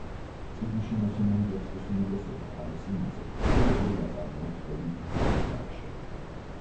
წიგნში მოცემული ტექსტის უმეტესობა არის იმაზე თუ როგორ ვაწარმოოთ ომი ბრძოლის გარეშე.